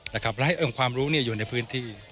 และให้องค์ความรู้อยู่ในพื้นที่